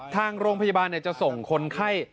ทางโรงพยาบาลจะส่งคนไข้